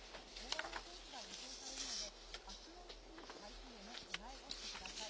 大荒れの天気が予想されるのであすのうちに、台風への備えをしてください。